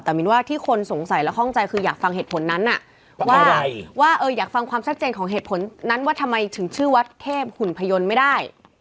แต่มินว่าที่คนสงสัยและข้องใจคืออยากฟังเหตุผลนั้นว่าอยากฟังความชัดเจนของเหตุผลนั้นว่าทำไมถึงชื่อวัดเทพหุ่นพยนต์ไม่ได้